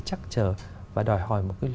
chắc chở và đòi hỏi một cái